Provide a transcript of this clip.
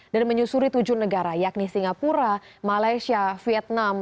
dan menyusuri tujuh negara yakni singapura malaysia vietnam